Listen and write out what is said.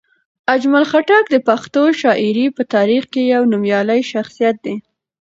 اجمل خټک د پښتو شاعرۍ په تاریخ کې یو نومیالی شخصیت دی.